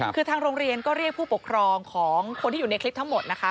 คือทางโรงเรียนก็เรียกผู้ปกครองของคนที่อยู่ในคลิปทั้งหมดนะคะ